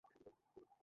এটা অনেক বিরল ধাতু।